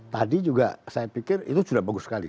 tadi juga saya pikir itu sudah bagus sekali